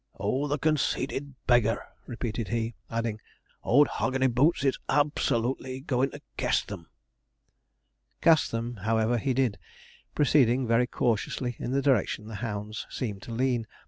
'Oh, the conceited beggar!' repeated he, adding, 'old 'hogany bouts is _ab_solutely a goin' to kest them.' Cast them, however, he did, proceeding very cautiously in the direction the hounds seemed to lean.